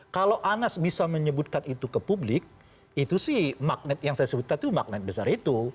kalau anas bisa menyebutkan itu ke publik itu sih magnet yang saya sebutkan itu magnet besar itu